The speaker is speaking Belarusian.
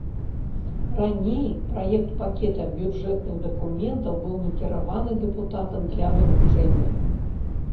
Раней праект пакета бюджэтных дакументаў быў накіраваны дэпутатам для вывучэння.